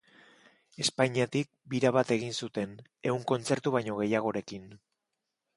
Espainiatik bira bat egin zuten, ehun kontzertu baino gehiagorekin.